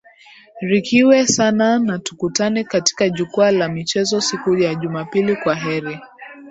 rikiwe sana na tukutane katika jukwaa la michezo siku ya juma pili kwaheri